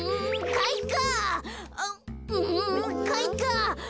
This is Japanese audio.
かいか！